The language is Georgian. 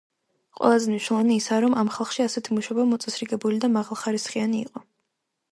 ყველაზე მნიშვნელოვანი ისაა, რომ ამ ხალხში ასეთი მუშაობა მოწესრიგებული და მაღალხარისხიანი იყო.